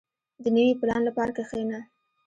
• د نوي پلان لپاره کښېنه.